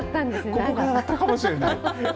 ここからだったのかもしれない。